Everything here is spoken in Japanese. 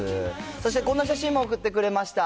そしてこんな写真も送ってくれました。